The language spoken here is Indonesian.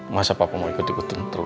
masa papa mau ikut ikutan terus